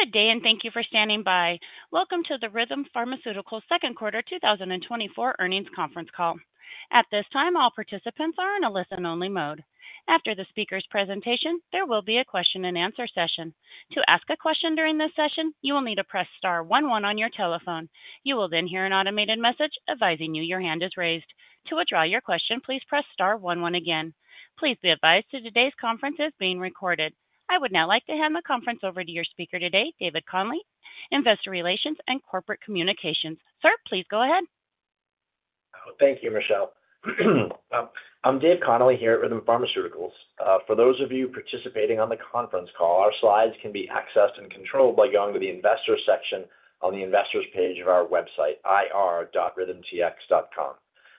Good day, and thank you for standing by. Welcome to the Rhythm Pharmaceuticals second quarter 2024 earnings conference call. At this time, all participants are in a listen-only mode. After the speaker's presentation, there will be a question-and-answer session. To ask a question during this session, you will need to press star one one on your telephone. You will then hear an automated message advising you your hand is raised. To withdraw your question, please press star one one again. Please be advised that today's conference is being recorded. I would now like to hand the conference over to your speaker today, David Connolly, Investor Relations and Corporate Communications. Sir, please go ahead. Thank you, Michelle. I'm David Connolly here at Rhythm Pharmaceuticals. For those of you participating on the conference call, our slides can be accessed and controlled by going to the Investors section on the Investors page of our website, ir.rhythmtx.com.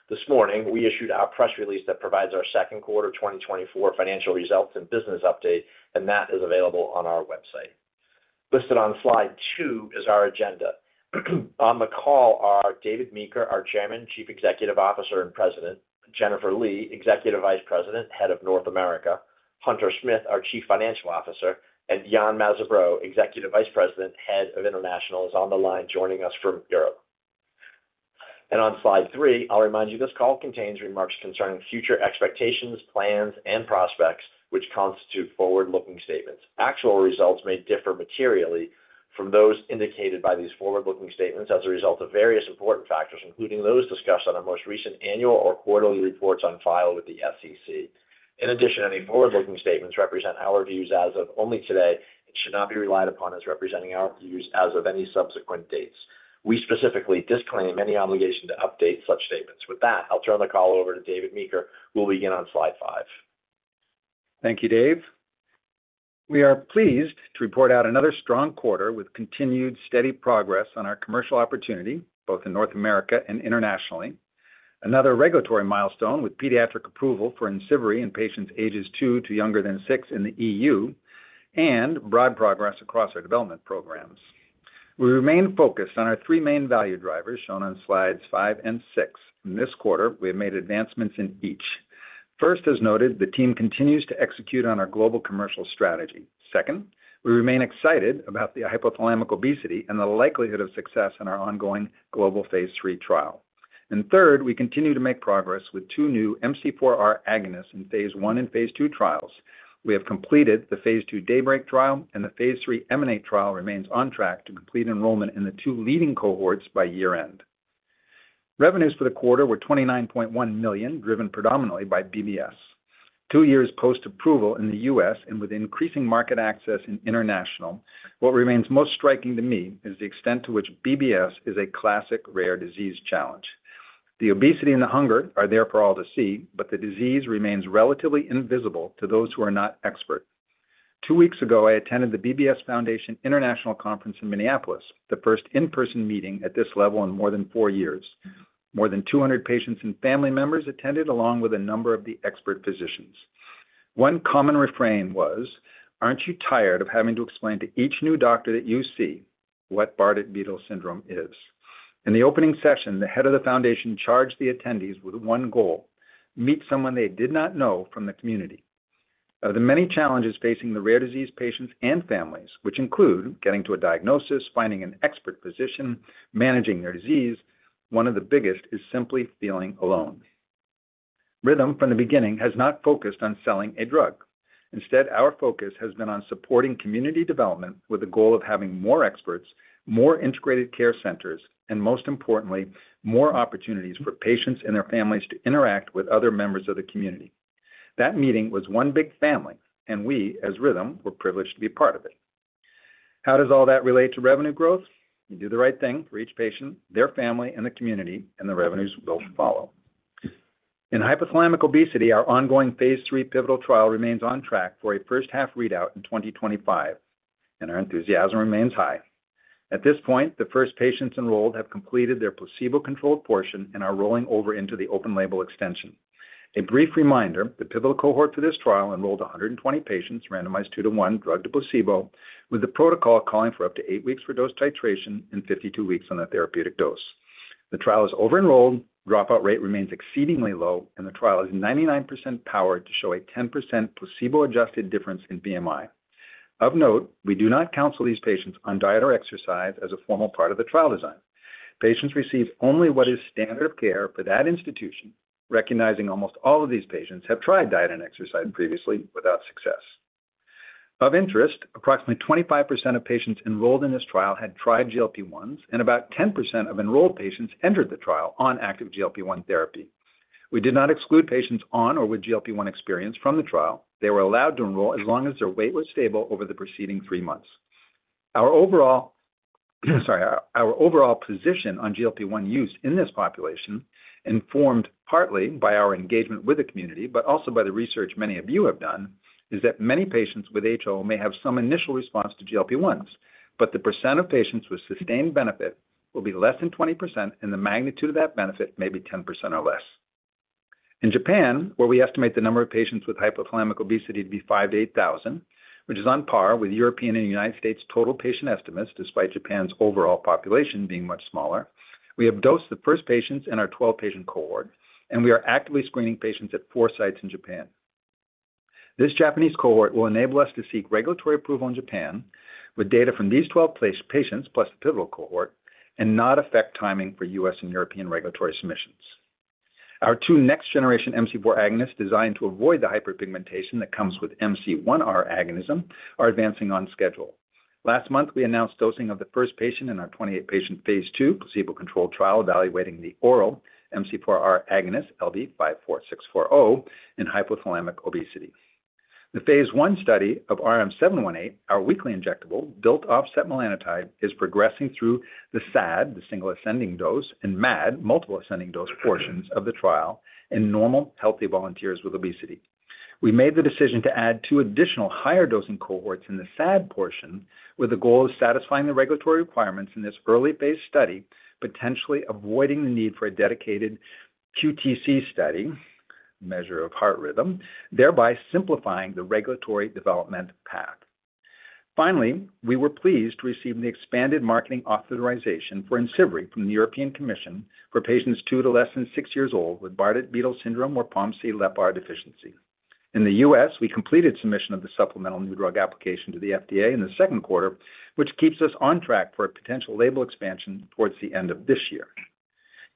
This morning, we issued our press release that provides our second quarter 2024 financial results and business update, and that is available on our website. Listed on Slide 2 is our agenda. On the call are David Meeker, our Chairman, Chief Executive Officer, and President; Jennifer Lee, Executive Vice President, Head of North America; Hunter Smith, our Chief Financial Officer; and Yann Mazabraud, Executive Vice President, Head of International, is on the line joining us from Europe. On Slide 3, I'll remind you, this call contains remarks concerning future expectations, plans, and prospects, which constitute forward-looking statements. Actual results may differ materially from those indicated by these forward-looking statements as a result of various important factors, including those discussed on our most recent annual or quarterly reports on file with the SEC. In addition, any forward-looking statements represent our views as of only today and should not be relied upon as representing our views as of any subsequent dates. We specifically disclaim any obligation to update such statements. With that, I'll turn the call over to David Meeker, who will begin on Slide five. Thank you, Dave. We are pleased to report out another strong quarter with continued steady progress on our commercial opportunity, both in North America and internationally. Another regulatory milestone with pediatric approval for Imcivree in patients ages two to younger than six in the E.U., and broad progress across our development programs. We remain focused on our three main value drivers, shown on slides 5 and 6. In this quarter, we have made advancements in each. First, as noted, the team continues to execute on our global commercial strategy. Second, we remain excited about the hypothalamic obesity and the likelihood of success in our ongoing global phase 3 trial. And third, we continue to make progress with two new MC4R agonists in phase 1 and phase 2 trials. We have completed the Phase 2 DAYBREAK trial, and the Phase 3 EMANATE trial remains on track to complete enrollment in the 2 leading cohorts by year-end. Revenues for the quarter were $29.1 million, driven predominantly by BBS. 2 years post-approval in the U.S. and with increasing market access in international, what remains most striking to me is the extent to which BBS is a classic rare disease challenge. The obesity and the hunger are there for all to see, but the disease remains relatively invisible to those who are not expert. 2 weeks ago, I attended the BBS Foundation International Conference in Minneapolis, the first in-person meeting at this level in more than 4 years. More than 200 patients and family members attended, along with a number of the expert physicians. One common refrain was: "Aren't you tired of having to explain to each new doctor that you see what Bardet-Biedl syndrome is?" In the opening session, the head of the foundation charged the attendees with one goal: meet someone they did not know from the community. Of the many challenges facing the rare disease patients and families, which include getting to a diagnosis, finding an expert physician, managing their disease, one of the biggest is simply feeling alone. Rhythm, from the beginning, has not focused on selling a drug. Instead, our focus has been on supporting community development with the goal of having more experts, more integrated care centers, and most importantly, more opportunities for patients and their families to interact with other members of the community. That meeting was one big family, and we, as Rhythm, were privileged to be part of it. How does all that relate to revenue growth? You do the right thing for each patient, their family, and the community, and the revenues will follow. In hypothalamic obesity, our ongoing phase 3 pivotal trial remains on track for a first-half readout in 2025, and our enthusiasm remains high. At this point, the first patients enrolled have completed their placebo-controlled portion and are rolling over into the open label extension. A brief reminder, the pivotal cohort for this trial enrolled 120 patients, randomized 2 to 1, drug to placebo, with the protocol calling for up to 8 weeks for dose titration and 52 weeks on a therapeutic dose. The trial is over-enrolled, dropout rate remains exceedingly low, and the trial is 99% powered to show a 10% placebo-adjusted difference in BMI. Of note, we do not counsel these patients on diet or exercise as a formal part of the trial design. Patients receive only what is standard of care for that institution, recognizing almost all of these patients have tried diet and exercise previously without success. Of interest, approximately 25% of patients enrolled in this trial had tried GLP-1s, and about 10% of enrolled patients entered the trial on active GLP-1 therapy. We did not exclude patients on or with GLP-1 experience from the trial. They were allowed to enroll as long as their weight was stable over the preceding three months. Our overall, sorry, our overall position on GLP-1 use in this population, informed partly by our engagement with the community, but also by the research many of you have done, is that many patients with HO may have some initial response to GLP-1s, but the percent of patients with sustained benefit will be less than 20%, and the magnitude of that benefit may be 10% or less. In Japan, where we estimate the number of patients with hypothalamic obesity to be 5,000-8,000, which is on par with European and United States total patient estimates, despite Japan's overall population being much smaller, we have dosed the first patients in our 12-patient cohort, and we are actively screening patients at 4 sites in Japan. This Japanese cohort will enable us to seek regulatory approval in Japan with data from these 12 placebo patients, plus the pivotal cohort, and not affect timing for U.S. and European regulatory submissions. Our 2 next-generation MC4R agonists designed to avoid the hyperpigmentation that comes with MC1R agonism are advancing on schedule. Last month, we announced dosing of the first patient in our 28-patient phase 2 placebo-controlled trial, evaluating the oral MC4R agonist, LB54640, in hypothalamic obesity. The phase 1 study of RM-718, our weekly injectable built off setmelanotide, is progressing through the SAD, the single ascending dose, and MAD, multiple ascending dose, portions of the trial in normal, healthy volunteers with obesity. We made the decision to add two additional higher dosing cohorts in the SAD portion, where the goal is satisfying the regulatory requirements in this early phase study, potentially avoiding the need for a dedicated QTc study, measure of heart rhythm, thereby simplifying the regulatory development path. Finally, we were pleased to receive the expanded marketing authorization for Imcivree from the European Commission for patients two to less than six years old with Bardet-Biedl syndrome or POMC LEPR deficiency. In the U.S., we completed submission of the supplemental new drug application to the FDA in the second quarter, which keeps us on track for a potential label expansion towards the end of this year.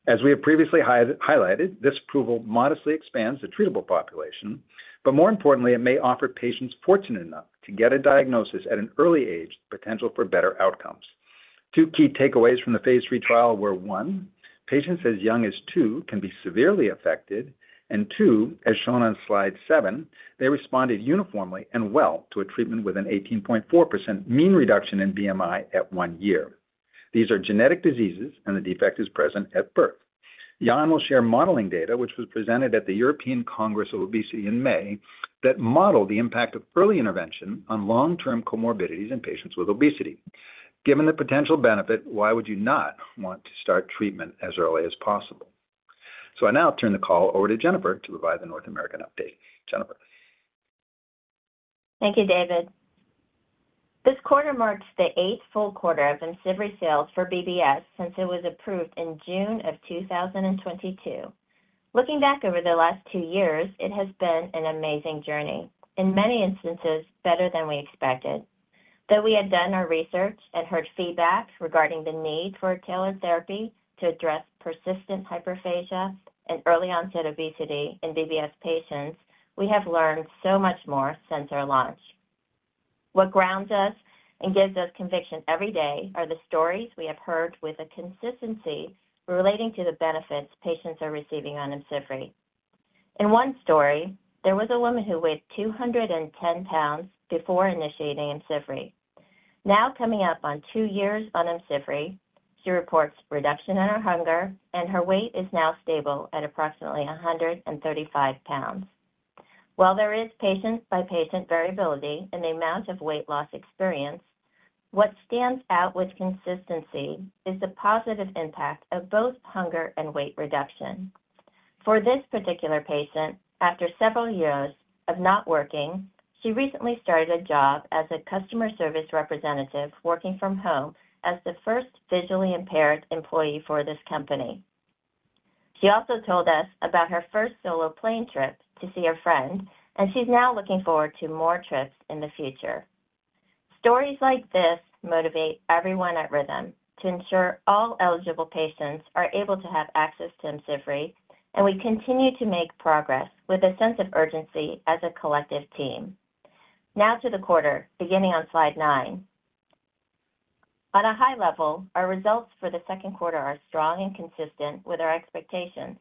As we have previously highlighted, this approval modestly expands the treatable population, but more importantly, it may offer patients fortunate enough to get a diagnosis at an early age, potential for better outcomes. Two key takeaways from the phase 3 trial were, one, patients as young as 2 can be severely affected, and two, as shown on slide 7, they responded uniformly and well to a treatment with an 18.4% mean reduction in BMI at 1 year. These are genetic diseases, and the defect is present at birth. Yann will share modeling data, which was presented at the European Congress on Obesity in May, that model the impact of early intervention on long-term comorbidities in patients with obesity. Given the potential benefit, why would you not want to start treatment as early as possible? So I now turn the call over to Jennifer to provide the North American update. Jennifer? Thank you, David. This quarter marks the eighth full quarter of Imcivree sales for BBS since it was approved in June 2022. Looking back over the last two years, it has been an amazing journey, in many instances, better than we expected. Though we had done our research and heard feedback regarding the need for a tailored therapy to address persistent hyperphagia and early-onset obesity in BBS patients, we have learned so much more since our launch. What grounds us and gives us conviction every day are the stories we have heard with a consistency relating to the benefits patients are receiving on Imcivree. In one story, there was a woman who weighed 210 lbs before initiating Imcivree. Now, coming up on two years on Imcivree, she reports reduction in her hunger, and her weight is now stable at approximately 135 pounds. While there is patient-by-patient variability in the amount of weight loss experienced, what stands out with consistency is the positive impact of both hunger and weight reduction. For this particular patient, after several years of not working, she recently started a job as a customer service representative, working from home as the first visually impaired employee for this company. She also told us about her first solo plane trip to see a friend, and she's now looking forward to more trips in the future. Stories like this motivate everyone at Rhythm to ensure all eligible patients are able to have access to Imcivree, and we continue to make progress with a sense of urgency as a collective team. Now to the quarter, beginning on slide 9. On a high level, our results for the second quarter are strong and consistent with our expectations.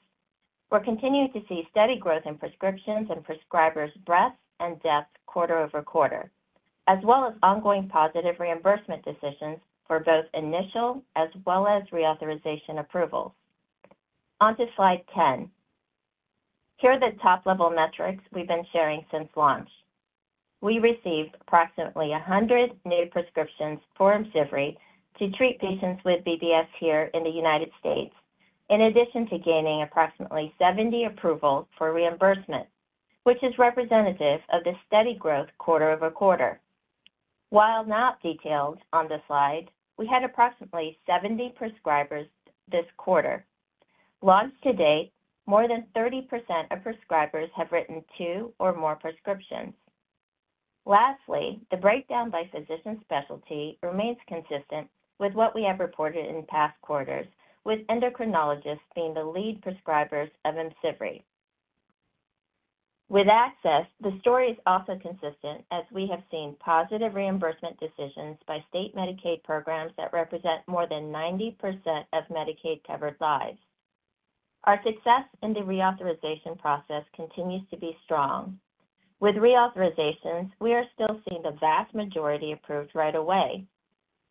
We're continuing to see steady growth in prescriptions and prescribers' breadth and depth quarter-over-quarter, as well as ongoing positive reimbursement decisions for both initial as well as reauthorization approvals. On to slide 10. Here are the top-level metrics we've been sharing since launch. We received approximately 100 new prescriptions for Imcivree to treat patients with BBS here in the United States, in addition to gaining approximately 70 approvals for reimbursement, which is representative of the steady growth quarter-over-quarter. While not detailed on the slide, we had approximately 70 prescribers this quarter. Launched to date, more than 30% of prescribers have written two or more prescriptions. Lastly, the breakdown by physician specialty remains consistent with what we have reported in past quarters, with endocrinologists being the lead prescribers of Imcivree. With access, the story is also consistent, as we have seen positive reimbursement decisions by state Medicaid programs that represent more than 90% of Medicaid-covered lives. Our success in the reauthorization process continues to be strong. With reauthorizations, we are still seeing the vast majority approved right away.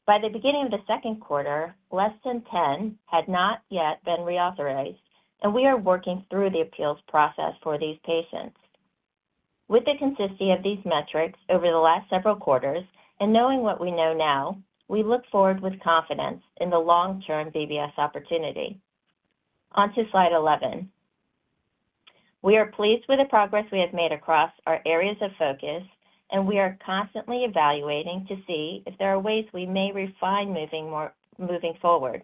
By the beginning of the second quarter, less than 10 had not yet been reauthorized, and we are working through the appeals process for these patients. With the consistency of these metrics over the last several quarters and knowing what we know now, we look forward with confidence in the long-term BBS opportunity. On to slide 11. We are pleased with the progress we have made across our areas of focus, and we are constantly evaluating to see if there are ways we may refine moving forward.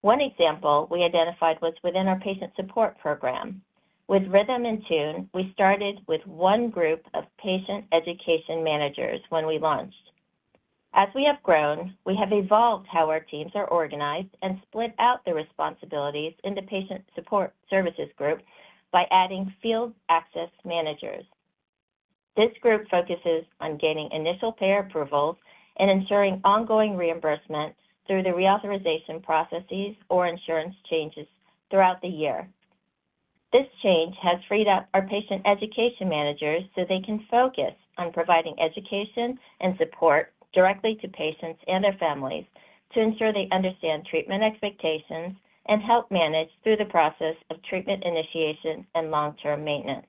One example we identified was within our patient support program. With Rhythm InTune, we started with one group of patient education managers when we launched. As we have grown, we have evolved how our teams are organized and split out the responsibilities in the patient support services group by adding field access managers. This group focuses on gaining initial payer approvals and ensuring ongoing reimbursement through the reauthorization processes or insurance changes throughout the year. This change has freed up our patient education managers so they can focus on providing education and support directly to patients and their families, to ensure they understand treatment expectations and help manage through the process of treatment initiation and long-term maintenance.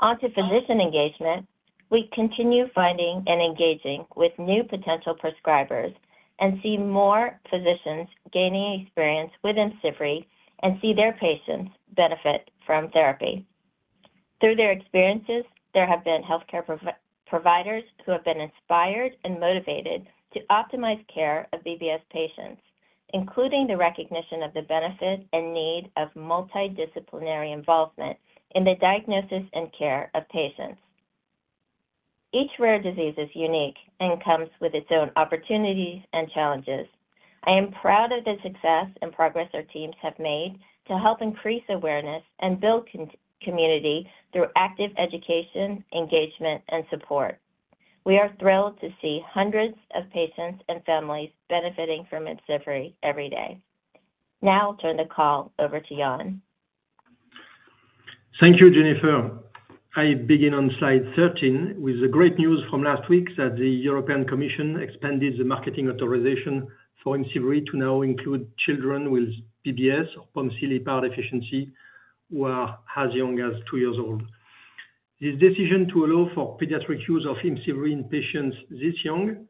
On to physician engagement, we continue finding and engaging with new potential prescribers, and see more physicians gaining experience with Imcivree and see their patients benefit from therapy. Through their experiences, there have been healthcare providers who have been inspired and motivated to optimize care of BBS patients, including the recognition of the benefit and need of multidisciplinary involvement in the diagnosis and care of patients. Each rare disease is unique and comes with its own opportunities and challenges. I am proud of the success and progress our teams have made to help increase awareness and build community through active education, engagement, and support. We are thrilled to see hundreds of patients and families benefiting from Imcivree every day. Now I'll turn the call over to Yann. Thank you, Jennifer. I begin on slide 13 with the great news from last week that the European Commission expanded the marketing authorization for Imcivree to now include children with BBS, POMC, LEPR deficiency, who are as young as two years old. This decision to allow for pediatric use of Imcivree in patients this young,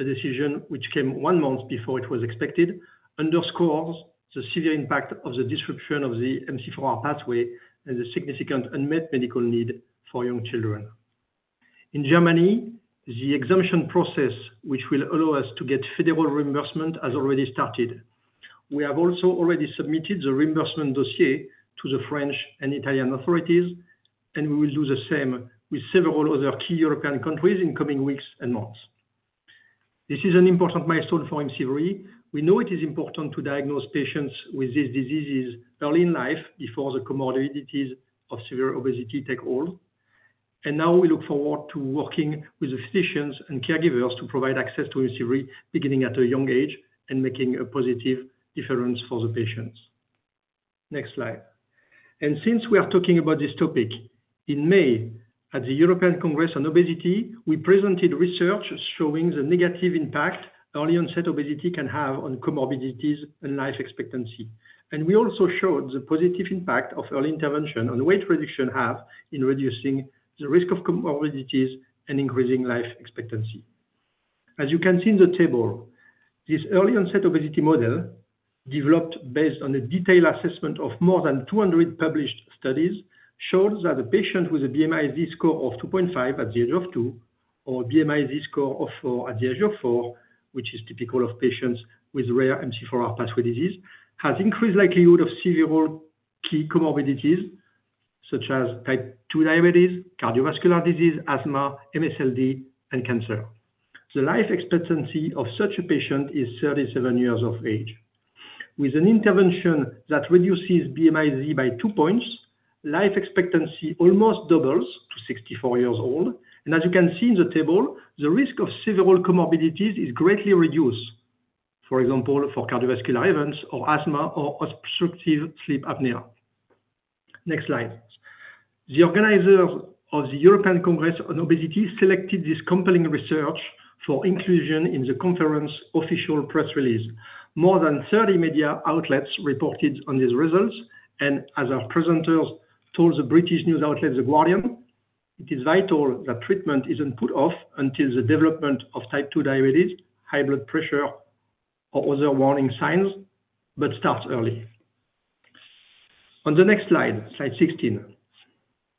a decision which came one month before it was expected, underscores the severe impact of the disruption of the MC4R pathway and the significant unmet medical need for young children. In Germany, the exemption process, which will allow us to get federal reimbursement, has already started. We have also already submitted the reimbursement dossier to the French and Italian authorities, and we will do the same with several other key European countries in coming weeks and months. This is an important milestone for Imcivree. We know it is important to diagnose patients with these diseases early in life, before the comorbidities of severe obesity take hold. And now we look forward to working with the physicians and caregivers to provide access to Imcivree, beginning at a young age and making a positive difference for the patients. Next slide. And since we are talking about this topic, in May, at the European Congress on Obesity, we presented research showing the negative impact early-onset obesity can have on comorbidities and life expectancy. And we also showed the positive impact of early intervention on weight reduction have in reducing the risk of comorbidities and increasing life expectancy. As you can see in the table, this early-onset obesity model, developed based on a detailed assessment of more than 200 published studies, shows that a patient with a BMI Z-score of 2.5 at the age of 2, or BMI Z-score of 4 at the age of 4, which is typical of patients with rare MC4R pathway disease, has increased likelihood of several key comorbidities such as type 2 diabetes, cardiovascular disease, asthma, MASLD, and cancer. The life expectancy of such a patient is 37 years of age. With an intervention that reduces BMI Z by 2 points, life expectancy almost doubles to 64 years old. And as you can see in the table, the risk of several comorbidities is greatly reduced. For example, for cardiovascular events or asthma or obstructive sleep apnea. Next slide. The organizer of the European Congress on Obesity selected this compelling research for inclusion in the conference official press release. More than 30 media outlets reported on these results, and as our presenters told the British news outlet, The Guardian, "It is vital that treatment isn't put off until the development of type 2 diabetes, high blood pressure, or other warning signs, but starts early." On the next slide, slide 16,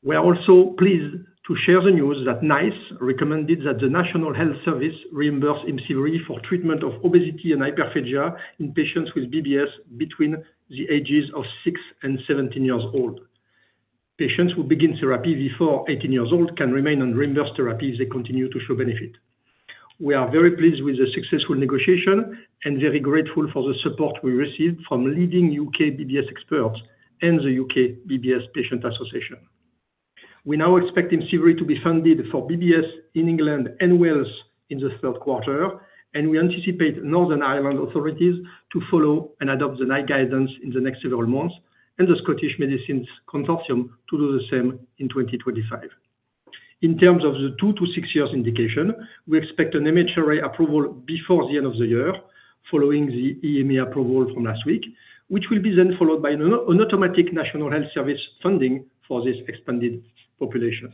we are also pleased to share the news that NICE recommended that the National Health Service reimburse Imcivree for treatment of obesity and hyperphagia in patients with BBS between the ages of 6 and 17 years old. Patients who begin therapy before 18 years old can remain on reimbursed therapy if they continue to show benefit. We are very pleased with the successful negotiation and very grateful for the support we received from leading UK BBS experts and the UK BBS Patient Association. We now expect Imcivree to be funded for BBS in England and Wales in the third quarter, and we anticipate Northern Ireland authorities to follow and adopt the NICE guidance in the next several months, and the Scottish Medicines Consortium to do the same in 2025. In terms of the 2-6 years indication, we expect an MHRA approval before the end of the year, following the EMA approval from last week, which will be then followed by an automatic National Health Service funding for this expanded population.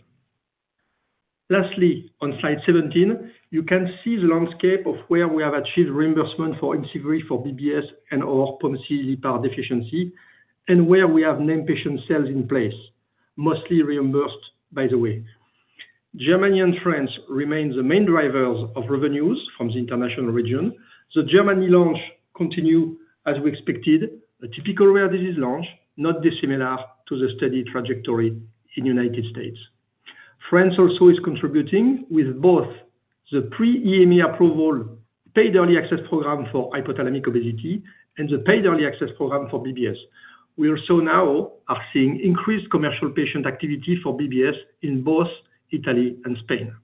Lastly, on slide 17, you can see the landscape of where we have achieved reimbursement for Imcivree for BBS and/or POMC deficiency, and where we have named patient sales in place, mostly reimbursed, by the way. Germany and France remain the main drivers of revenues from the international region. The Germany launch continue as we expected, a typical rare disease launch, not dissimilar to the steady trajectory in the United States. France also is contributing with both the pre-EMA approval paid early access program for hypothalamic obesity and the paid early access program for BBS. We also now are seeing increased commercial patient activity for BBS in both Italy and Spain.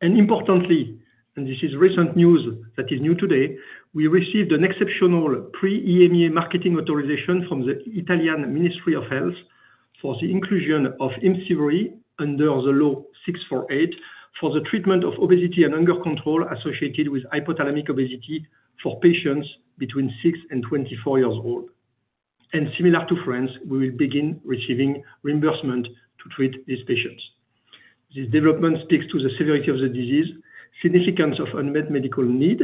Importantly, and this is recent news that is new today, we received an exceptional pre-EMA marketing authorization from the Italian Ministry of Health for the inclusion of Imcivree under the Law 648, for the treatment of obesity and hunger control associated with hypothalamic obesity for patients between 6 and 24 years old. Similar to France, we will begin receiving reimbursement to treat these patients. This development speaks to the severity of the disease, significance of unmet medical need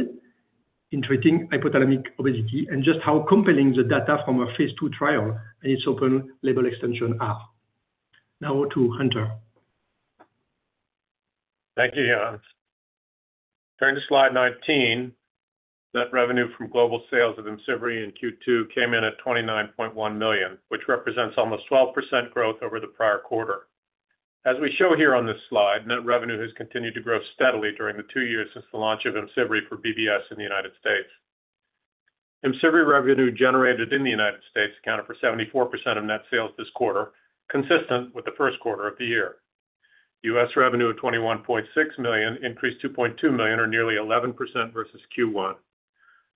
in treating hypothalamic obesity, and just how compelling the data from our phase 2 trial and its open-label extension are. Now to Hunter. Thank you, Yann. Turning to slide 19, net revenue from global sales of Imcivree in Q2 came in at $29.1 million, which represents almost 12% growth over the prior quarter. As we show here on this slide, net revenue has continued to grow steadily during the two years since the launch of Imcivree for BBS in the United States. Imcivree revenue generated in the United States accounted for 74% of net sales this quarter, consistent with the first quarter of the year. U.S. revenue of $21.6 million increased $2.2 million, or nearly 11% versus Q1.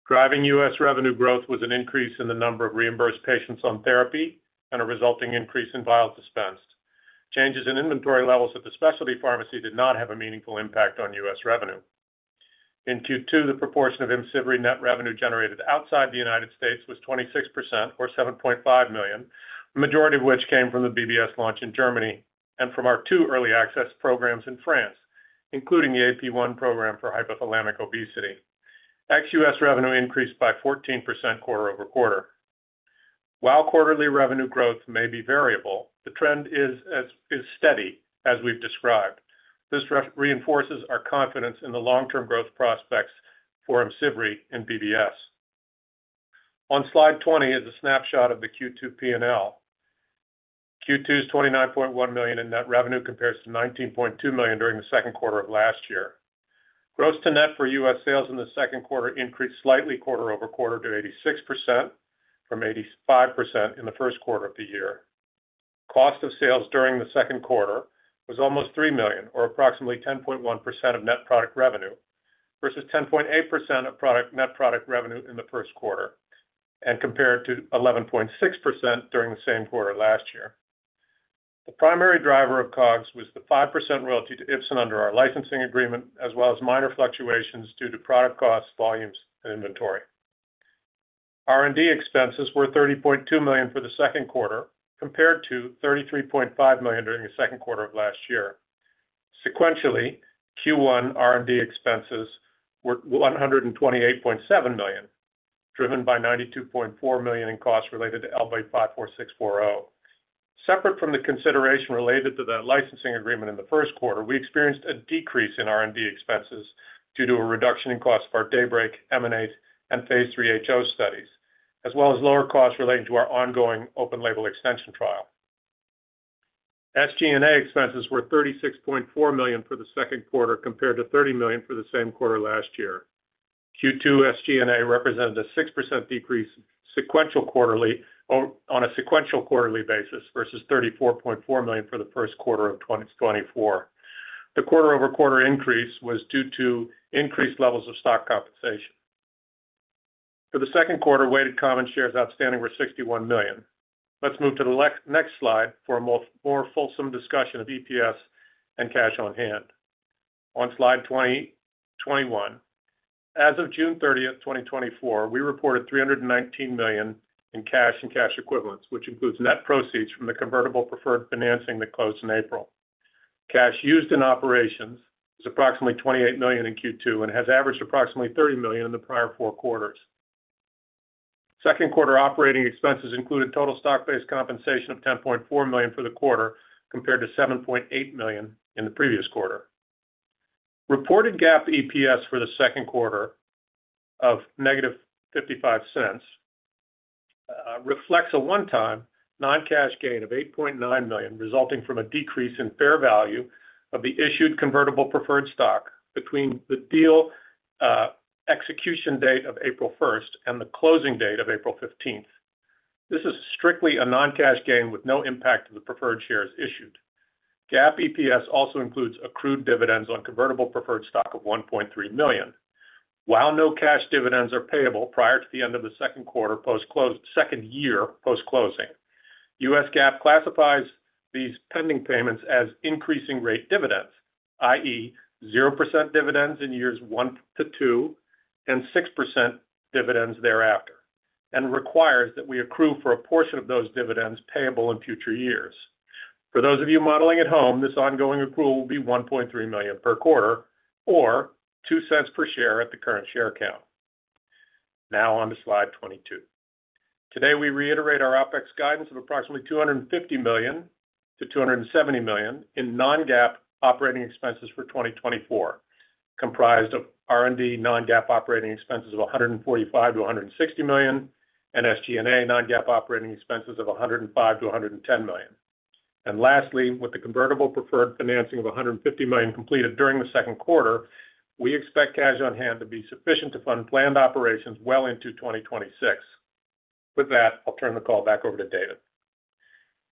Driving U.S. revenue growth was an increase in the number of reimbursed patients on therapy and a resulting increase in vials dispensed. Changes in inventory levels at the specialty pharmacy did not have a meaningful impact on U.S. revenue. In Q2, the proportion of Imcivree net revenue generated outside the United States was 26%, or $7.5 million, the majority of which came from the BBS launch in Germany and from our two early access programs in France, including the AP1 program for hypothalamic obesity. Ex-US revenue increased by 14% quarter-over-quarter. While quarterly revenue growth may be variable, the trend is steady, as we've described. This reinforces our confidence in the long-term growth prospects for Imcivree in BBS. On slide 20 is a snapshot of the Q2 P&L. Q2's $29.1 million in net revenue compares to $19.2 million during the second quarter of last year. Gross to net for US sales in the second quarter increased slightly quarter-over-quarter to 86%, from 85% in the first quarter of the year. Cost of sales during the second quarter was almost $3 million, or approximately 10.1% of net product revenue, versus 10.8% of net product revenue in the first quarter, and compared to 11.6% during the same quarter last year. The primary driver of COGS was the 5% royalty to Ipsen under our licensing agreement, as well as minor fluctuations due to product costs, volumes, and inventory. R&D expenses were $30.2 million for the second quarter, compared to $33.5 million during the second quarter of last year. Sequentially, Q1 R&D expenses were $128.7 million, driven by $92.4 million in costs related to LB54640. Separate from the consideration related to the licensing agreement in the first quarter, we experienced a decrease in R&D expenses due to a reduction in costs for our DAYBREAK, EMANATE, and phase III HO studies, as well as lower costs relating to our ongoing open label extension trial. SG&A expenses were $36.4 million for the second quarter, compared to $30 million for the same quarter last year. Q2 SG&A represented a 6% decrease sequential quarterly, or on a sequential quarterly basis, versus $34.4 million for the first quarter of 2024. The quarter-over-quarter increase was due to increased levels of stock compensation. For the second quarter, weighted common shares outstanding were 61 million. Let's move to the next slide for a more fulsome discussion of EPS and cash on hand. On slide 21, as of June 30, 2024, we reported $319 million in cash and cash equivalents, which includes net proceeds from the convertible preferred financing that closed in April. Cash used in operations is approximately $28 million in Q2 and has averaged approximately $30 million in the prior four quarters. Second quarter operating expenses included total stock-based compensation of $10.4 million for the quarter, compared to $7.8 million in the previous quarter. Reported GAAP EPS for the second quarter of -$0.55 reflects a one-time non-cash gain of $8.9 million, resulting from a decrease in fair value of the issued convertible preferred stock between the deal execution date of April 1 and the closing date of April 15. This is strictly a non-cash gain with no impact on the preferred shares issued. GAAP EPS also includes accrued dividends on convertible preferred stock of $1.3 million. While no cash dividends are payable prior to the end of the second quarter post-close second year post-closing, US GAAP classifies these pending payments as increasing rate dividends, i.e., 0% dividends in years 1 to 2 and 6% dividends thereafter, and requires that we accrue for a portion of those dividends payable in future years. For those of you modeling at home, this ongoing accrual will be $1.3 million per quarter or $0.02 per share at the current share count. Now on to slide 22. Today, we reiterate our OpEx guidance of approximately $250 million-$270 million in non-GAAP operating expenses for 2024, comprised of R&D non-GAAP operating expenses of $145 million-$160 million, and SG&A non-GAAP operating expenses of $105 million-$110 million. And lastly, with the convertible preferred financing of $150 million completed during the second quarter, we expect cash on hand to be sufficient to fund planned operations well into 2026. With that, I'll turn the call back over to David.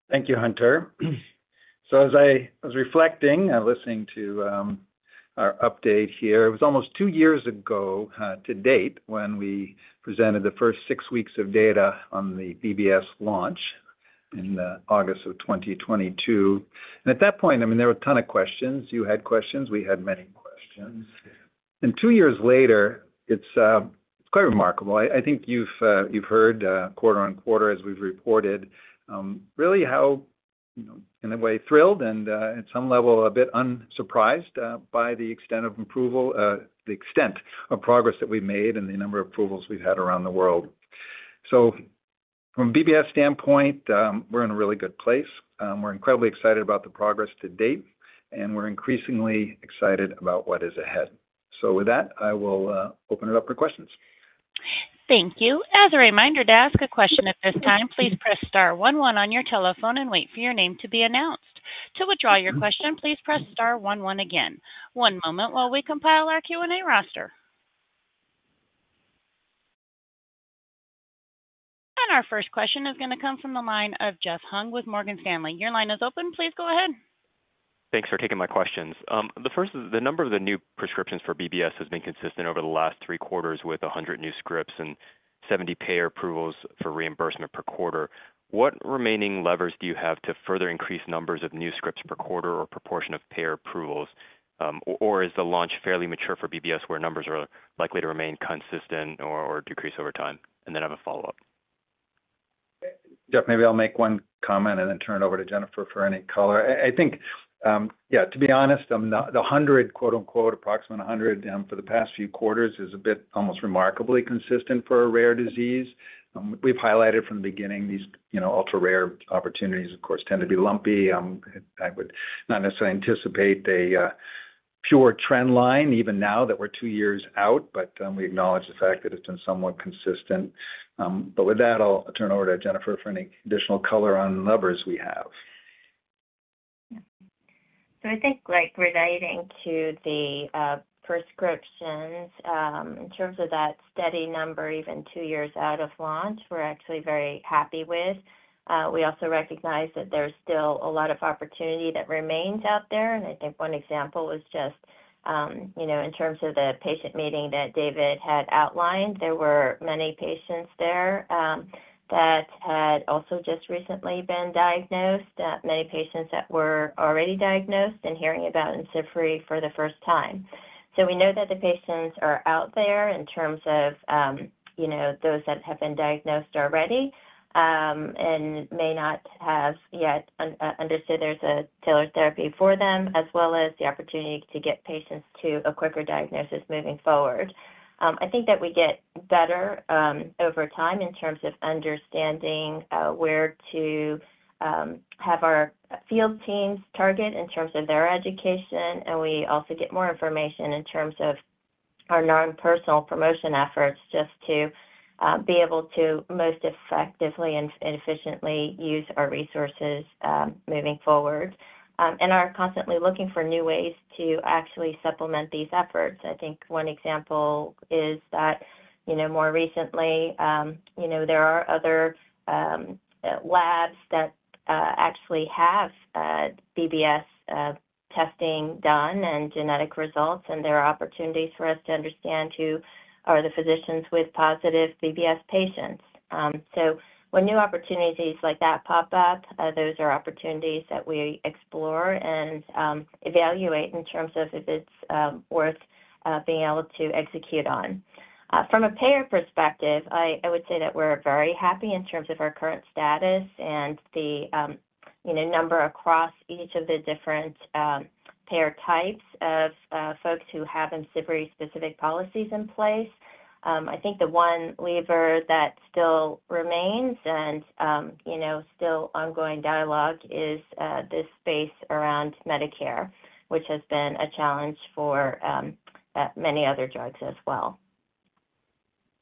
Thank you, Hunter. So as I was reflecting and listening to our update here, it was almost two years ago to date when we presented the first six weeks of data on the BBS launch in August 2022. And at that point, I mean, there were a ton of questions. You had questions; we had many questions. And two years later, it's quite remarkable. I think you've heard quarter-over-quarter as we've reported really how, you know, in a way, thrilled and at some level a bit unsurprised by the extent of approval, the extent of progress that we've made and the number of approvals we've had around the world. So from a BBS standpoint, we're in a really good place. We're incredibly excited about the progress to date, and we're increasingly excited about what is ahead. With that, I will open it up for questions. Thank you. As a reminder, to ask a question at this time, please press star one one on your telephone and wait for your name to be announced. To withdraw your question, please press star one one again. One moment while we compile our Q&A roster. And our first question is going to come from the line of Jeff Hung with Morgan Stanley. Your line is open. Please go ahead. Thanks for taking my questions. The first is, the number of the new prescriptions for BBS has been consistent over the last 3 quarters with 100 new scripts and 70 payer approvals for reimbursement per quarter. What remaining levers do you have to further increase numbers of new scripts per quarter or proportion of payer approvals? Or is the launch fairly mature for BBS, where numbers are likely to remain consistent or decrease over time? And then I have a follow-up. Jeff, maybe I'll make one comment and then turn it over to Jennifer for any color. I think, yeah, to be honest, the 100, quote unquote, approximately 100, for the past few quarters is a bit almost remarkably consistent for a rare disease. We've highlighted from the beginning these, you know, ultra-rare opportunities, of course, tend to be lumpy. I would not necessarily anticipate a pure trend line even now that we're 2 years out, but we acknowledge the fact that it's been somewhat consistent. But with that, I'll turn it over to Jennifer for any additional color on the levers we have. So I think, like, relating to the prescriptions, in terms of that steady number, even two years out of launch, we're actually very happy with. We also recognize that there's still a lot of opportunity that remains out there. And I think one example was just, you know, in terms of the patient meeting that David had outlined, there were many patients there, that had also just recently been diagnosed, many patients that were already diagnosed and hearing about Imcivree for the first time. So we know that the patients are out there in terms of, you know, those that have been diagnosed already, and may not have yet understood there's a tailored therapy for them, as well as the opportunity to get patients to a quicker diagnosis moving forward. I think that we get better over time in terms of understanding where to have our field teams target in terms of their education, and we also get more information in terms of our non-personal promotion efforts, just to be able to most effectively and efficiently use our resources moving forward, and are constantly looking for new ways to actually supplement these efforts. I think one example is that, you know, more recently, you know, there are other labs that actually have BBS testing done and genetic results, and there are opportunities for us to understand who are the physicians with positive BBS patients. So when new opportunities like that pop up, those are opportunities that we explore and evaluate in terms of if it's worth being able to execute on. From a payer perspective, I would say that we're very happy in terms of our current status and the, you know, number across each of the different payer types of folks who have Imcivree-specific policies in place. I think the one lever that still remains and, you know, still ongoing dialogue is this space around Medicare, which has been a challenge for many other drugs as well.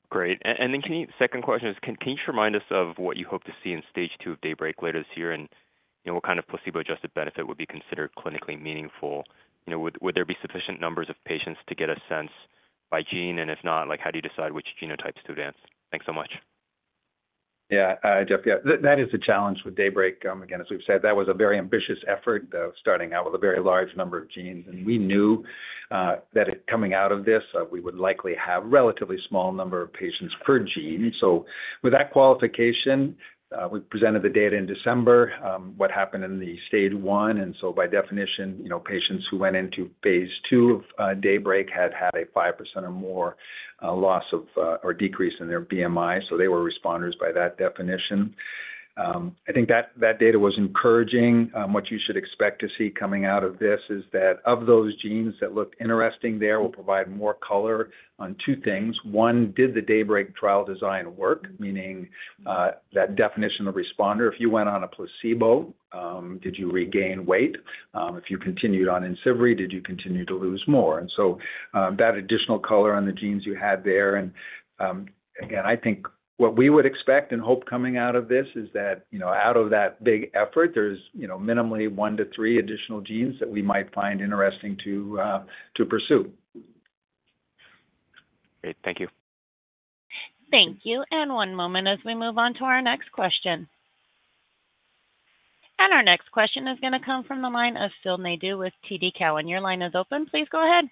Great. And then can you—Second question is, can you remind us of what you hope to see in stage two of DAYBREAK later this year? And, you know, what kind of placebo-adjusted benefit would be considered clinically meaningful? You know, would there be sufficient numbers of patients to get a sense by gene? And if not, like, how do you decide which genotypes to advance? Thanks so much. Yeah, Jeff, yeah, that is a challenge with DAYBREAK. Again, as we've said, that was a very ambitious effort, starting out with a very large number of genes. And we knew that coming out of this, we would likely have a relatively small number of patients per gene. So with that qualification, we presented the data in December, what happened in the stage one, and so by definition, you know, patients who went into phase two of DAYBREAK had a 5% or more loss of or decrease in their BMI. So they were responders by that definition. I think that data was encouraging. What you should expect to see coming out of this is that of those genes that looked interesting there, we'll provide more color on two things. One, did the DAYBREAK trial design work? Meaning, that definition of responder. If you went on a placebo, did you regain weight? If you continued on Imcivree, did you continue to lose more? And so, that additional color on the genes you had there, and, again, I think what we would expect and hope coming out of this is that, you know, out of that big effort, there's, you know, minimally one to three additional genes that we might find interesting to, to pursue. Great. Thank you. Thank you. And one moment as we move on to our next question. And our next question is going to come from the line of Phil Nadeau with TD Cowen. Your line is open. Please go ahead.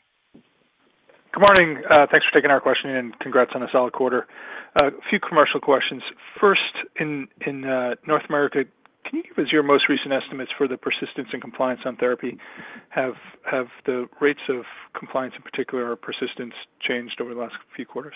Good morning. Thanks for taking our question, and congrats on a solid quarter. A few commercial questions. First, in North America, can you give us your most recent estimates for the persistence and compliance on therapy? Have the rates of compliance in particular or persistence changed over the last few quarters?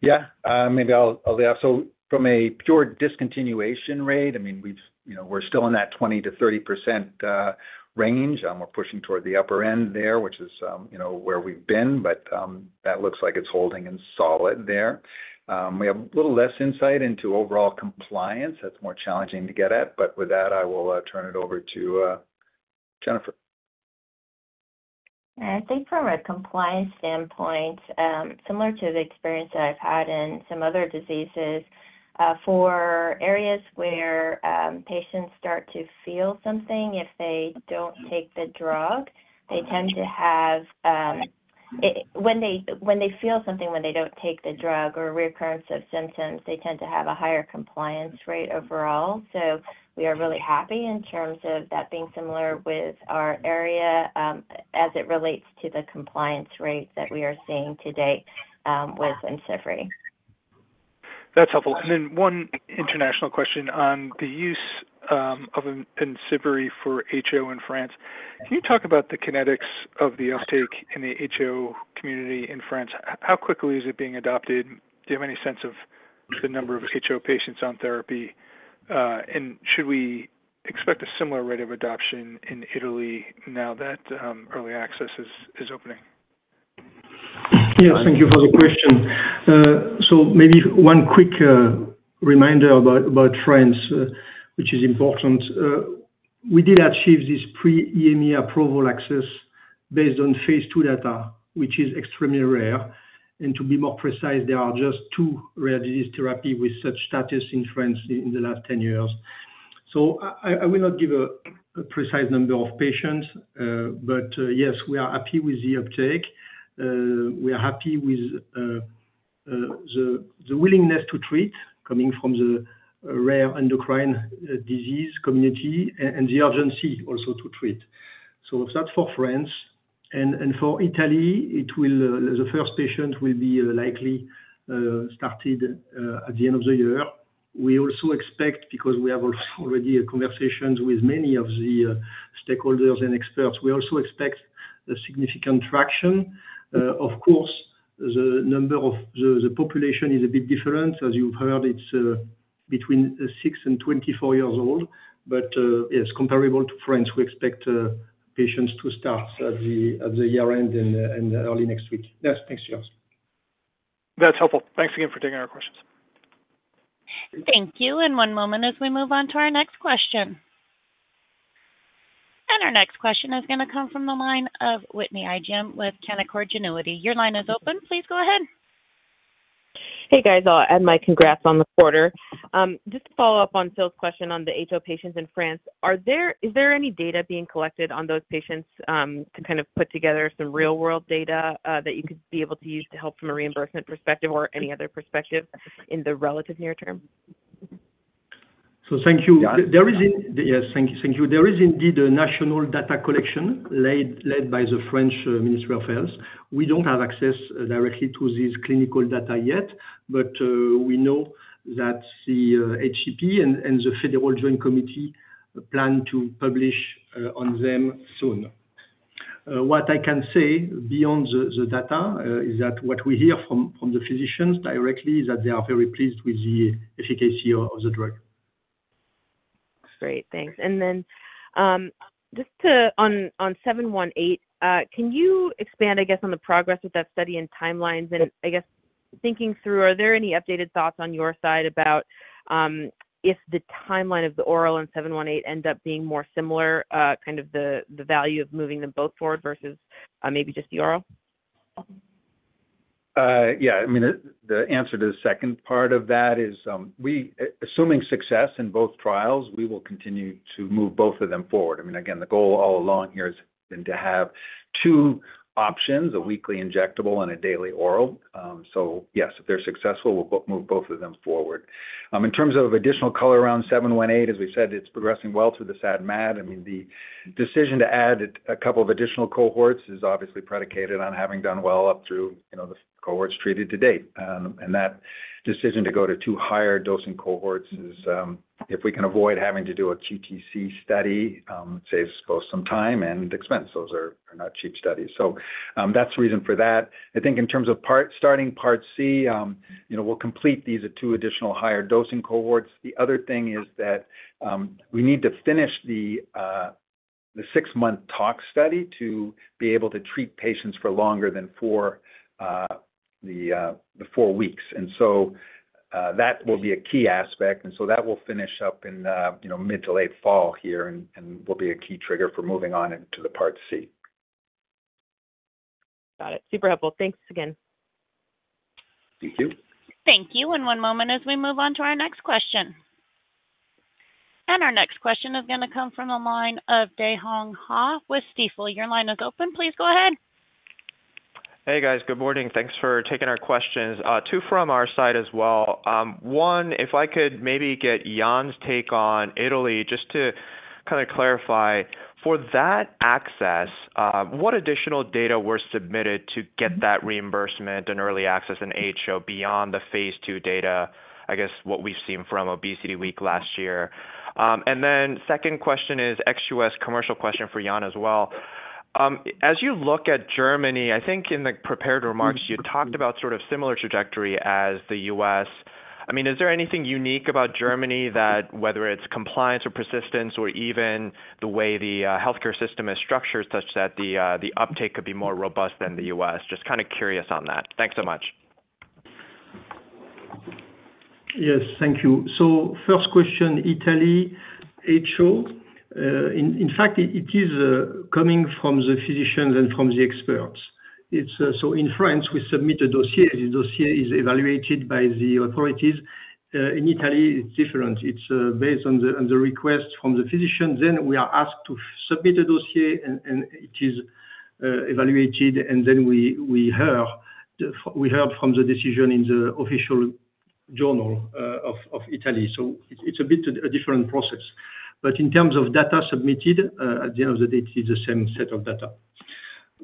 Yeah, maybe I'll answer. So from a pure discontinuation rate, I mean, we've, you know, we're still in that 20%-30% range, and we're pushing toward the upper end there, which is, you know, where we've been, but that looks like it's holding in solid there. We have a little less insight into overall compliance. That's more challenging to get at, but with that, I will turn it over to Jennifer. I think from a compliance standpoint, similar to the experience that I've had in some other diseases, for areas where, patients start to feel something if they don't take the drug, they tend to have, when they, when they feel something when they don't take the drug or reoccurrence of symptoms, they tend to have a higher compliance rate overall. So we are really happy in terms of that being similar with our area, as it relates to the compliance rate that we are seeing today, with Imcivree. That's helpful. And then one international question on the use of Imcivree for HO in France. Can you talk about the kinetics of the uptake in the HO community in France? How quickly is it being adopted? Do you have any sense of the number of HO patients on therapy? And should we expect a similar rate of adoption in Italy now that early access is opening? Yes, thank you for the question. So maybe one quick reminder about France, which is important. We did achieve this pre-EMA approval access based on phase 2 data, which is extremely rare. And to be more precise, there are just two rare disease therapy with such status in France in the last ten years. So I will not give a precise number of patients, but yes, we are happy with the uptake. We are happy with the willingness to treat coming from the rare endocrine disease community and the urgency also to treat. So that's for France. And for Italy, the first patient will be likely started at the end of the year. We also expect, because we have already conversations with many of the stakeholders and experts, we also expect a significant traction. Of course, the number of the population is a bit different. As you've heard, it's between 6 and 24 years old. But yes, comparable to France, we expect patients to start at the year-end and early next week. Yes, thanks, Phil. That's helpful. Thanks again for taking our questions. Thank you. One moment as we move on to our next question. Our next question is going to come from the line of Whitney Ijem with Canaccord Genuity. Your line is open. Please go ahead. Hey, guys. I'll add my congrats on the quarter. Just to follow up on Phil's question on the HO patients in France, is there any data being collected on those patients, to kind of put together some real-world data, that you could be able to use to help from a reimbursement perspective or any other perspective in the relative near term? So thank you. Yes, thank you. Thank you. There is indeed a national data collection led by the French Ministry of Health. We don't have access directly to this clinical data yet, but we know that the HCP and the Federal Joint Committee plan to publish on them soon. What I can say beyond the data is that what we hear from the physicians directly is that they are very pleased with the efficacy of the drug. Great, thanks. And then, just to... On, on 718, can you expand, I guess, on the progress with that study and timelines? And I guess, thinking through, are there any updated thoughts on your side about, if the timeline of the oral and 718 end up being more similar, kind of the, the value of moving them both forward versus, maybe just the oral? Yeah. I mean, the answer to the second part of that is, we, assuming success in both trials, we will continue to move both of them forward. I mean, again, the goal all along here has been to have two options, a weekly injectable and a daily oral. So yes, if they're successful, we'll move both of them forward. In terms of additional color around 718, as we said, it's progressing well through the SAD MAD. I mean, the decision to add a couple of additional cohorts is obviously predicated on having done well up through, you know, the cohorts treated to date. And that decision to go to two higher dosing cohorts is, if we can avoid having to do a QTc study, saves both some time and expense. Those are not cheap studies. So, that's the reason for that. I think in terms of Part C, you know, we'll complete these two additional higher dosing cohorts. The other thing is that, we need to finish the six-month tox study to be able to treat patients for longer than four weeks. And so, that will be a key aspect, and so that will finish up in mid to late fall here and will be a key trigger for moving on into the Part C. Got it. Super helpful. Thanks again. Thank you. Thank you. And one moment as we move on to our next question. And our next question is going to come from the line of Dae Gon Ha with Stifel. Your line is open. Please go ahead. Hey, guys. Good morning. Thanks for taking our questions. Two from our side as well. One, if I could maybe get Yann's take on Italy, just to kind of clarify. For that access, what additional data were submitted to get that reimbursement and early access in HO beyond the phase two data, I guess, what we've seen from ObesityWeek last year? And then second question is ex-U.S. commercial question for Yann as well. As you look at Germany, I think in the prepared remarks you talked about sort of similar trajectory as the U.S. I mean, is there anything unique about Germany that, whether it's compliance or persistence, or even the way the healthcare system is structured such that the uptake could be more robust than the U.S.? Just kind of curious on that. Thanks so much. Yes, thank you. So first question, Italy, HO. In fact, it is coming from the physicians and from the experts. It's so in France, we submit a dossier. The dossier is evaluated by the authorities. In Italy, it's different. It's based on the request from the physician. Then we are asked to submit a dossier, and it is evaluated, and then we hear. We heard from the decision in the official journal of Italy. So it's a bit different process. But in terms of data submitted, at the end of the day, it's the same set of data.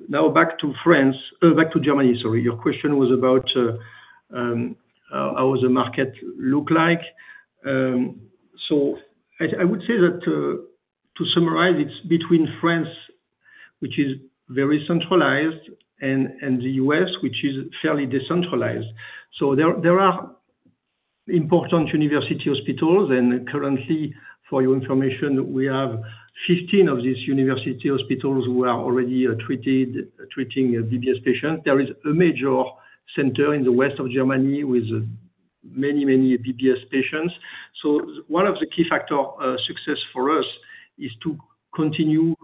Now back to France, back to Germany, sorry. Your question was about how the market look like. So I would say that to summarize, it's between France, which is very centralized, and the US, which is fairly decentralized. So there are important university hospitals, and currently, for your information, we have 15 of these university hospitals who are already treating BBS patients. There is a major center in the west of Germany with many, many BBS patients. So one of the key factor success for us is to continue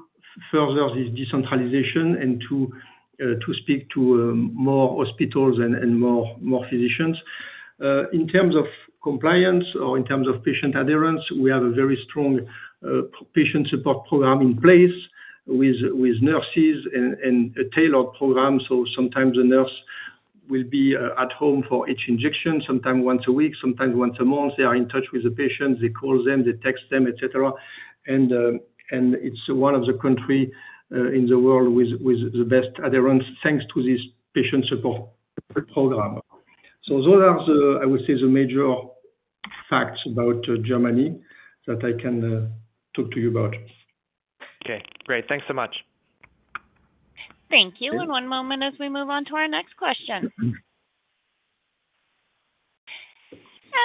further this decentralization and to speak to more hospitals and more physicians. In terms of compliance or in terms of patient adherence, we have a very strong patient support program in place with nurses and a tailored program. So sometimes a nurse will be at home for each injection, sometimes once a week, sometimes once a month. They are in touch with the patients, they call them, they text them, et cetera. And it's one of the countries in the world with the best adherence, thanks to this patient support program. So those are the, I would say, the major facts about Germany that I can talk to you about. Okay, great. Thanks so much. Thank you. One moment as we move on to our next question.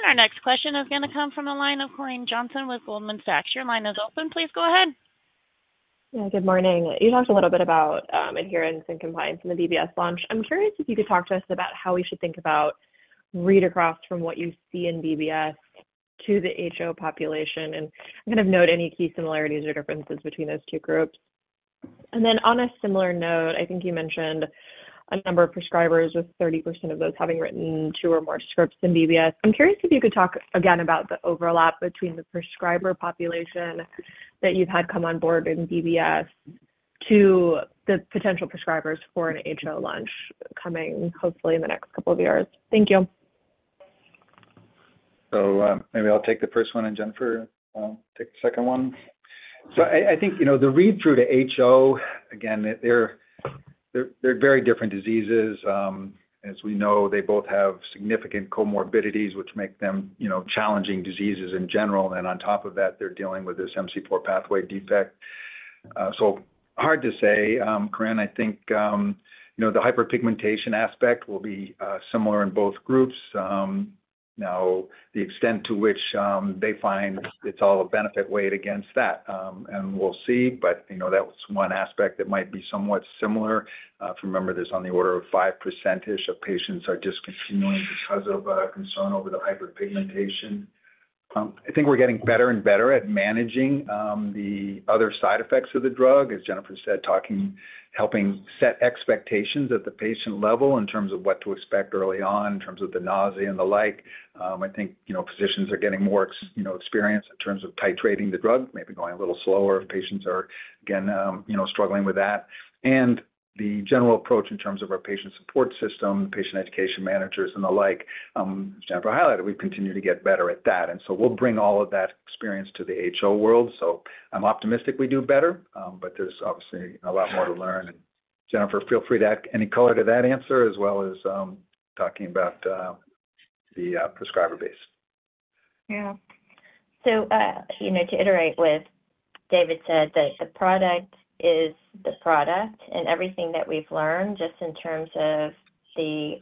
Our next question is going to come from the line of Corinne Jenkins with Goldman Sachs. Your line is open. Please go ahead. Yeah, good morning. You talked a little bit about adherence and compliance in the BBS launch. I'm curious if you could talk to us about how we should think about read across from what you see in BBS to the HO population, and kind of note any key similarities or differences between those two groups. And then on a similar note, I think you mentioned a number of prescribers, with 30% of those having written two or more scripts in BBS. I'm curious if you could talk again about the overlap between the prescriber population that you've had come on board in BBS to the potential prescribers for an HO launch coming hopefully in the next couple of years. Thank you. So, maybe I'll take the first one, and Jennifer, take the second one. So I think, you know, the read-through to HO, again, they're very different diseases. As we know, they both have significant comorbidities, which make them, you know, challenging diseases in general. And on top of that, they're dealing with this MC4R pathway defect. So hard to say, Corinne. I think, you know, the hyperpigmentation aspect will be similar in both groups. Now, the extent to which they find it's all a benefit weighed against that, and we'll see, but, you know, that's one aspect that might be somewhat similar. If you remember, there's on the order of 5% of patients are discontinuing because of concern over the hyperpigmentation. I think we're getting better and better at managing the other side effects of the drug. As Jennifer said, talking, helping set expectations at the patient level in terms of what to expect early on, in terms of the nausea and the like. I think, you know, physicians are getting more experience in terms of titrating the drug, maybe going a little slower if patients are, again, you know, struggling with that. And the general approach in terms of our patient support system, patient education managers and the like, as Jennifer highlighted, we continue to get better at that. And so we'll bring all of that experience to the HO world. So I'm optimistic we do better, but there's obviously a lot more to learn. And Jennifer, feel free to add any color to that answer, as well as talking about the prescriber base. Yeah. So, you know, to iterate what David said that the product is the product and everything that we've learned, just in terms of the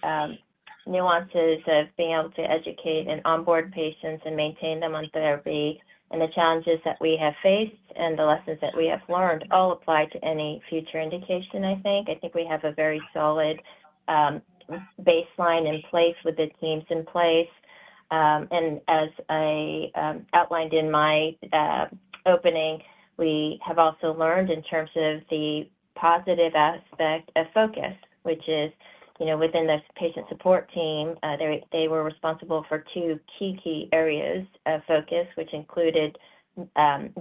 nuances of being able to educate and onboard patients and maintain them on therapy, and the challenges that we have faced and the lessons that we have learned all apply to any future indication, I think. I think we have a very solid baseline in place with the teams in place. And as I outlined in my opening, we have also learned in terms of the positive aspect of focus, which is, you know, within the patient support team, they were responsible for two key areas of focus, which included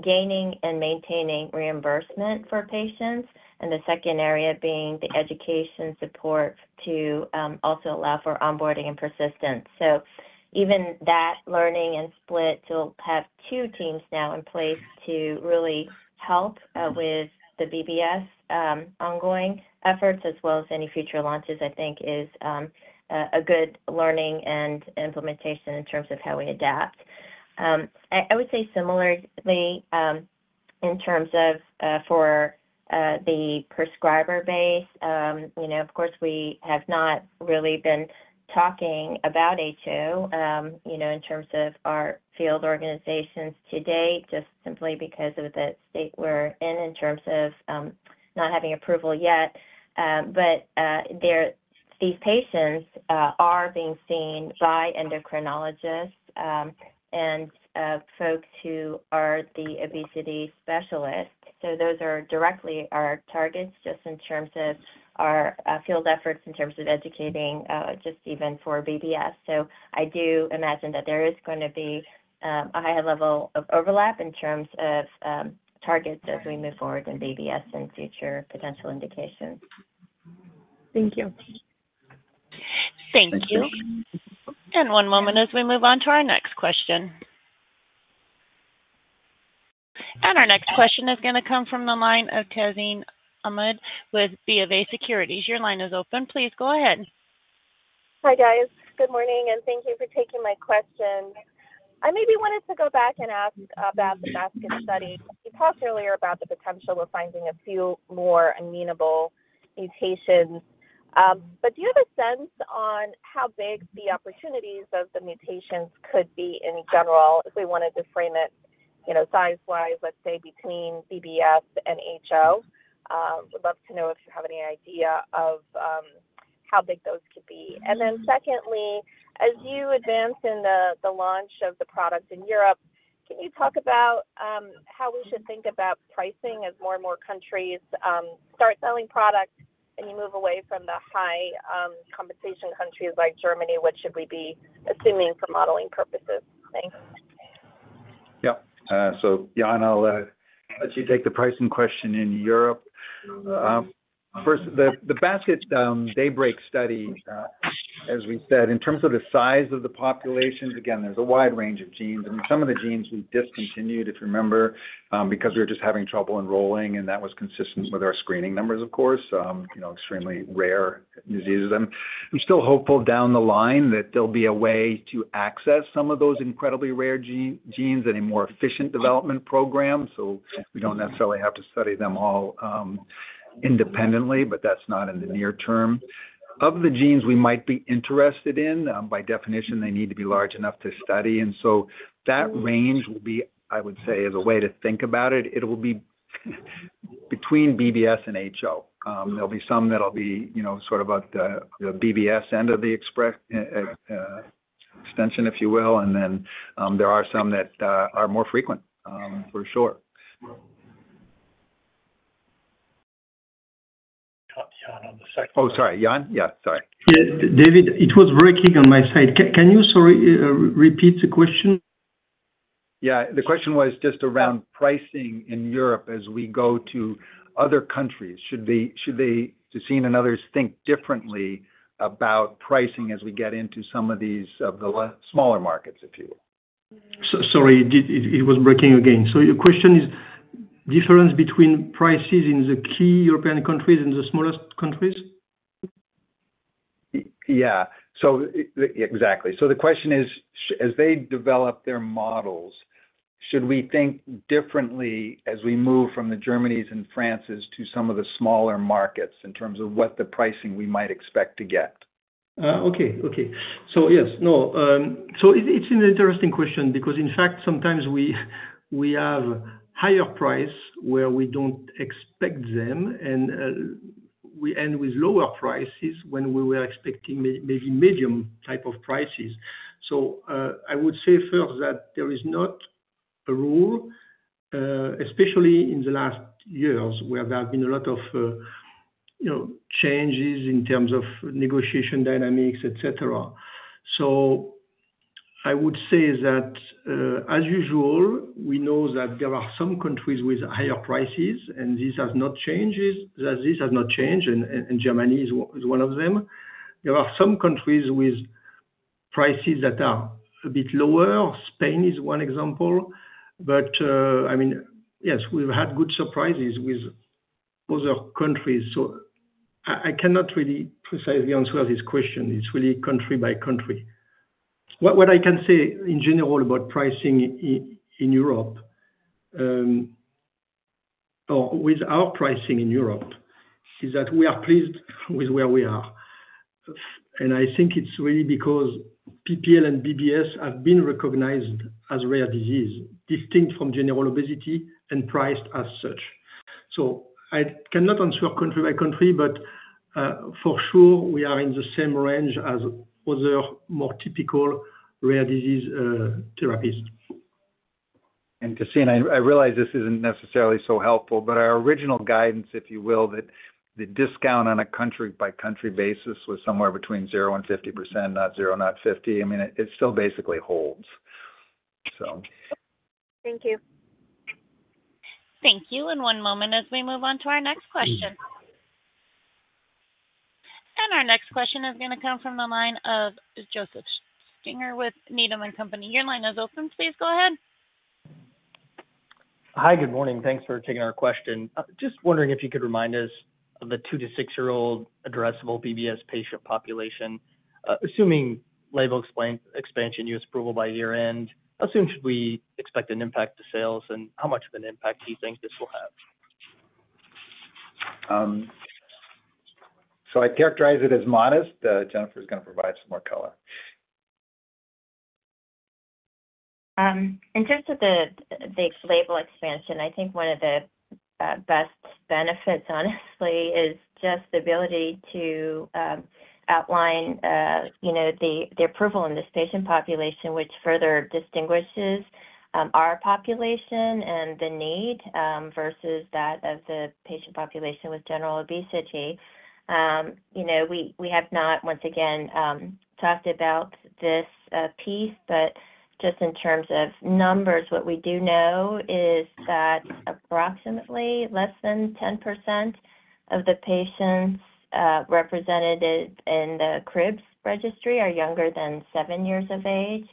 gaining and maintaining reimbursement for patients, and the second area being the education support to also allow for onboarding and persistence. So even that learning and split to have two teams now in place to really help with the BBS ongoing efforts, as well as any future launches, I think is a good learning and implementation in terms of how we adapt. I would say similarly, in terms of for the prescriber base, you know, of course, we have not really been talking about HO, you know, in terms of our field organizations to date, just simply because of the state we're in, in terms of not having approval yet. But these patients are being seen by endocrinologists and folks who are the obesity specialists. So those are directly our targets, just in terms of our field efforts, in terms of educating, just even for BBS. So I do imagine that there is going to be a high level of overlap in terms of targets as we move forward in BBS and future potential indications. Thank you. Thank you. Thank you. One moment as we move on to our next question. Our next question is going to come from the line of Tazeen Ahmad with BofA Securities. Your line is open. Please go ahead. Hi, guys. Good morning, and thank you for taking my questions. I maybe wanted to go back and ask about the basket study. You talked earlier about the potential of finding a few more amenable mutations. But do you have a sense on how big the opportunities of the mutations could be in general, if we wanted to frame it, you know, size-wise, let's say, between BBS and HO? Would love to know if you have any idea of how big those could be. And then secondly, as you advance in the launch of the product in Europe, can you talk about how we should think about pricing as more and more countries start selling products and you move away from the high compensation countries like Germany? What should we be assuming for modeling purposes? Thanks. Yep. So, Yann, I'll let you take the pricing question in Europe. First, the basket DAYBREAK study, as we said, in terms of the size of the populations, again, there's a wide range of genes, and some of the genes we discontinued, if you remember, because we were just having trouble enrolling, and that was consistent with our screening numbers, of course. You know, extremely rare diseases. We're still hopeful down the line that there'll be a way to access some of those incredibly rare genes in a more efficient development program, so we don't necessarily have to study them all independently, but that's not in the near term. Of the genes we might be interested in, by definition, they need to be large enough to study, and so that range will be, I would say, as a way to think about it, it will be between BBS and HO. There'll be some that'll be, you know, sort of at the BBS end of the expression, if you will, and then, there are some that are more frequent, for sure. Yann on the second- Oh, sorry, Yann? Yeah, sorry. Yeah, David, it was breaking on my side. Can you, sorry, repeat the question? Yeah, the question was just around pricing in Europe as we go to other countries. Should they, Tazeen and others, think differently about pricing as we get into some of these, of the smaller markets, if you will? Sorry, it was breaking again. So your question is difference between prices in the key European countries and the smallest countries? Yeah. Exactly. So the question is, as they develop their models, should we think differently as we move from the Germanys and Frances to some of the smaller markets, in terms of what the pricing we might expect to get? So yes, no, so it's an interesting question because, in fact, sometimes we have higher price where we don't expect them, and, we end with lower prices when we were expecting maybe medium type of prices. So, I would say first that there is not a rule, especially in the last years, where there have been a lot of, you know, changes in terms of negotiation dynamics, et cetera. So I would say that, as usual, we know that there are some countries with higher prices, and this has not changed, and Germany is one of them. There are some countries with prices that are a bit lower. Spain is one example. But, I mean, yes, we've had good surprises with other countries, so I cannot really precisely answer this question. It's really country by country. What I can say in general about pricing in Europe, or with our pricing in Europe, is that we are pleased with where we are. And I think it's really because POMC/LEPR and BBS have been recognized as rare disease, distinct from general obesity and priced as such. So I cannot answer country by country, but, for sure, we are in the same range as other more typical rare disease therapies. Tazeen, I realize this isn't necessarily so helpful, but our original guidance, if you will, that the discount on a country-by-country basis was somewhere between 0% and 50%, not zero, not fifty. I mean, it still basically holds, so. Thank you. Thank you. One moment as we move on to our next question. Our next question is going to come from the line of Joseph Stringer with Needham & Company. Your line is open. Please go ahead. Hi, good morning. Thanks for taking our question. Just wondering if you could remind us of the 2- to 6-year-old addressable BBS patient population. Assuming label expansion US approval by year-end, how soon should we expect an impact to sales, and how much of an impact do you think this will have? So I'd characterize it as modest. Jennifer is going to provide some more color. In terms of the label expansion, I think one of the best benefits, honestly, is just the ability to outline, you know, the approval in this patient population, which further distinguishes our population and the need versus that of the patient population with general obesity. You know, we have not, once again, talked about this piece, but just in terms of numbers, what we do know is that approximately less than 10% of the patients represented in the CRIBBS registry are younger than 7 years of age.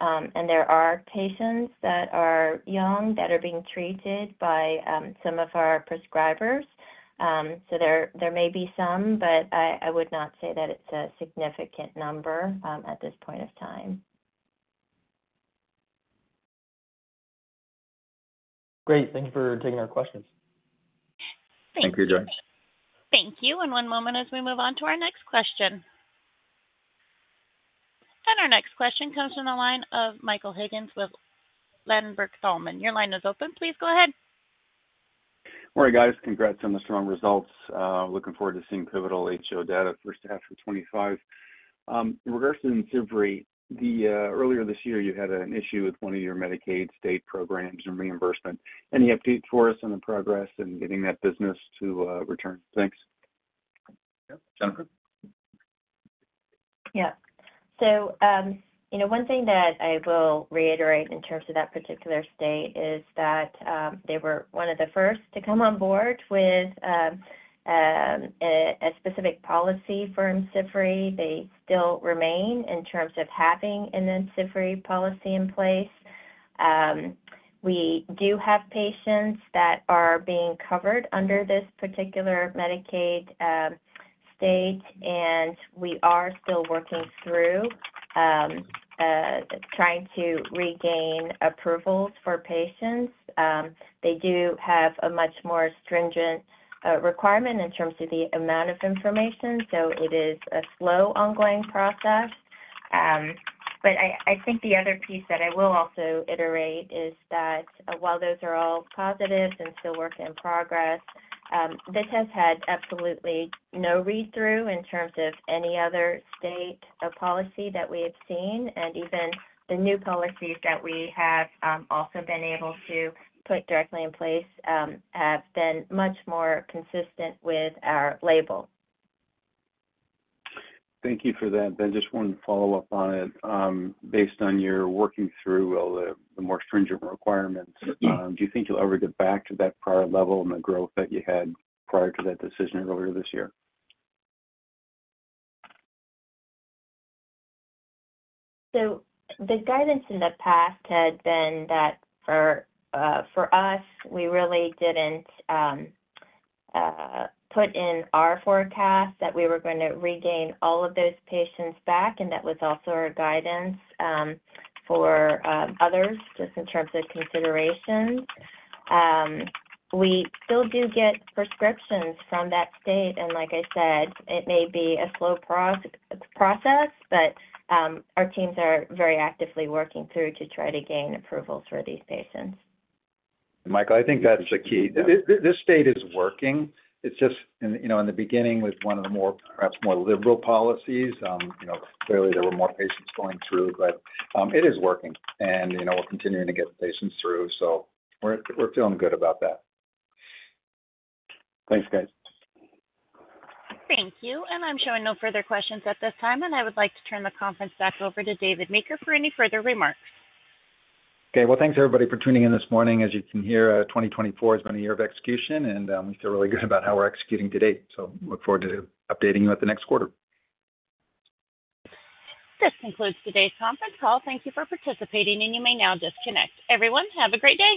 And there are patients that are young that are being treated by some of our prescribers. So there may be some, but I would not say that it's a significant number at this point of time. Great. Thank you for taking our questions. Thank you for joining us. Thank you. One moment as we move on to our next question. Our next question comes from the line of Michael Higgins with Ladenburg Thalmann. Your line is open. Please go ahead. Morning, guys. Congrats on the strong results. Looking forward to seeing pivotal HO data, first half of 2025. In regards to Imcivree, the earlier this year, you had an issue with one of your Medicaid state programs and reimbursement. Any updates for us on the progress in getting that business to return? Thanks. Jennifer? Yeah. So, you know, one thing that I will reiterate in terms of that particular state is that they were one of the first to come on board with a specific policy for Imcivree. They still remain in terms of having an Imcivree policy in place. We do have patients that are being covered under this particular Medicaid state, and we are still working through trying to regain approvals for patients. They do have a much more stringent requirement in terms of the amount of information, so it is a slow, ongoing process. But I think the other piece that I will also iterate is that while those are all positives and still a work in progress, this has had absolutely no read-through in terms of any other state of policy that we have seen, and even the new policies that we have also been able to put directly in place have been much more consistent with our label. Thank you for that. Just one follow-up on it. Based on your working through all the more stringent requirements, do you think you'll ever get back to that prior level and the growth that you had prior to that decision earlier this year? So the guidance in the past had been that for us, we really didn't put in our forecast that we were going to regain all of those patients back, and that was also our guidance for others, just in terms of consideration. We still do get prescriptions from that state, and like I said, it may be a slow process, but our teams are very actively working through to try to gain approvals for these patients. Michael, I think that's the key. This state is working. It's just, you know, in the beginning, with one of the more, perhaps more liberal policies, you know, clearly there were more patients going through, but it is working, and, you know, we're continuing to get patients through, so we're feeling good about that. Thanks, guys. Thank you. I'm showing no further questions at this time, and I would like to turn the conference back over to David Meeker for any further remarks. Okay, well, thanks, everybody, for tuning in this morning. As you can hear, 2024 has been a year of execution, and we feel really good about how we're executing to date. So look forward to updating you at the next quarter. This concludes today's conference call. Thank you for participating, and you may now disconnect. Everyone, have a great day!